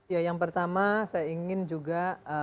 ya yang pertama saya ingin juga